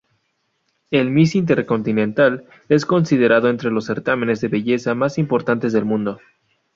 El Miss Intercontinental es considerado entre los certámenes de belleza más importantes del mundo.